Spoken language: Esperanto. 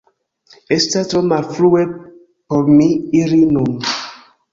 Estas tro malfrue por mi iri nun